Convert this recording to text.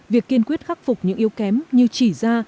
việc kiên quyết khắc phục những yếu kém như chỉ ra